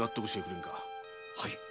はい。